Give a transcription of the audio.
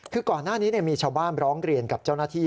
คือก่อนหน้านี้มีชาวบ้านร้องเรียนกับเจ้าหน้าที่